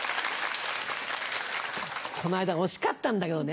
この間惜しかったんだけどね